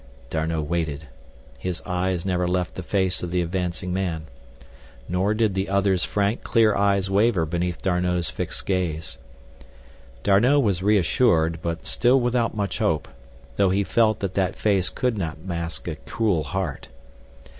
D'Arnot waited. His eyes never left the face of the advancing man. Nor did the other's frank, clear eyes waver beneath D'Arnot's fixed gaze. D'Arnot was reassured, but still without much hope, though he felt that that face could not mask a cruel heart.